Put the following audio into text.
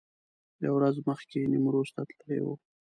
یوه ورځ مخکې نیمروز ته تللي و.